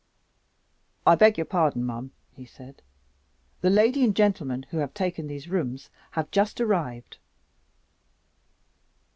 "I beg your pardon, ma'am," he said; "the lady and gentleman who have taken these rooms have just arrived."